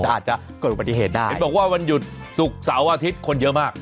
อาจจะเกิดอุบัติเหตุได้เห็นบอกว่าวันหยุดศุกร์เสาร์อาทิตย์คนเยอะมาก